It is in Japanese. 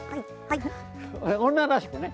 女らしくね。